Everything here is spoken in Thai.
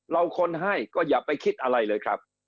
คนให้ก็อย่าไปคิดอะไรเลยครับ